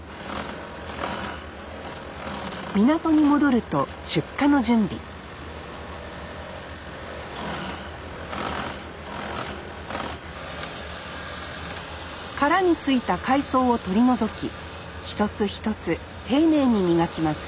港に戻ると出荷の準備殻についた海藻を取り除き一つ一つ丁寧に磨きます